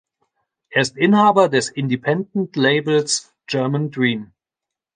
Er ist Inhaber des Independent-Labels German Dream.